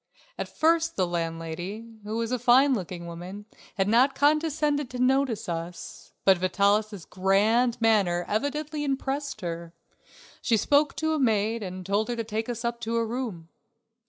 At first the landlady, who was a fine looking woman, had not condescended to notice us, but Vitalis' grand manner evidently impressed her. She spoke to a maid and told her to take us up to a room.